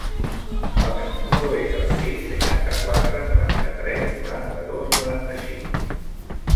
El meu número es el sis, seixanta-quatre, noranta-tres, noranta-dos, noranta-cinc.